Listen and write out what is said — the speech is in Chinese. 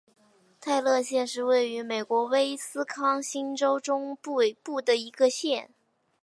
泰勒县是位于美国威斯康辛州中北部的一个县。